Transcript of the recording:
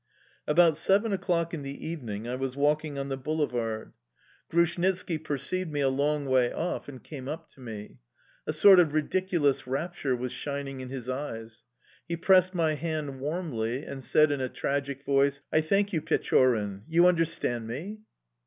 ABOUT seven o'clock in the evening, I was walking on the boulevard. Grushnitski perceived me a long way off, and came up to me. A sort of ridiculous rapture was shining in his eyes. He pressed my hand warmly, and said in a tragic voice: "I thank you, Pechorin... You understand me?"